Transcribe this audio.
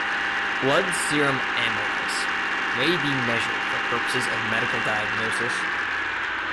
Blood serum amylase may be measured for purposes of medical diagnosis.